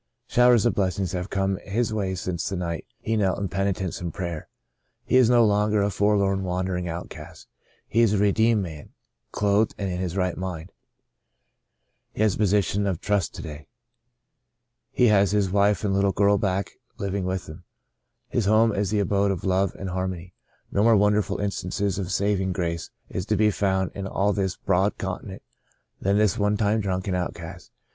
Showers of blessings have come his way since the night he knelt in penitence and prayer. He is no longer a forlorn, wandering outcast. He is a redeemed man — clothed and in his right mind. He has a position of trust to day. He has his wife and litde girl back living with him ; his home is the abode of love and harmony. No more wonderful instance of saving grace is to be found in all this broad continent than this one time drunken outcast.